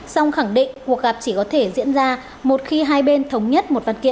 song khẳng định cuộc gặp chỉ có thể diễn ra một khi hai bên thống nhất